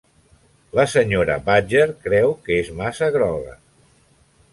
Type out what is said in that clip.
La senyora Badger creu que és massa groga.